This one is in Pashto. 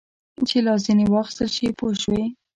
چې لاس ځینې واخیستل شي پوه شوې!.